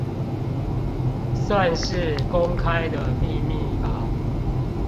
算是公開的秘密吧